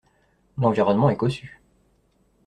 L’environnement est cossu.